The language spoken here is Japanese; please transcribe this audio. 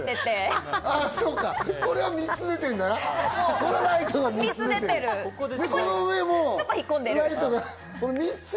これはライトが３つ出ているんだな。